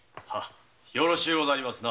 よろしゅうございますな。